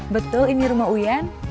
betul ini rumah uyan